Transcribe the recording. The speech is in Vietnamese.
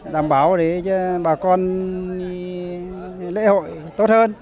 đảm bảo cho bà con lễ hội tốt hơn